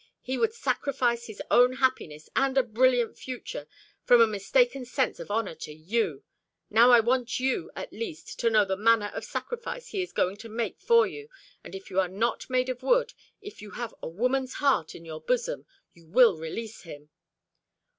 He would sacrifice his own happiness and a brilliant future, from a mistaken sense of honour to you. Now, I want you at least to know what manner of sacrifice he is going to make for you; and if you are not made of wood if you have a woman's heart in your bosom you will release him."